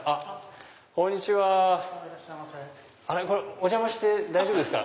お邪魔して大丈夫ですか？